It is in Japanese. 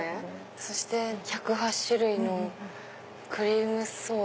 そして１０８種類のクリームソーダ。